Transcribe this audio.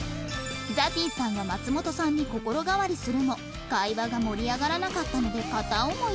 ＺＡＺＹ さんは松本さんに心変わりするも会話が盛り上がらなかったので片思いに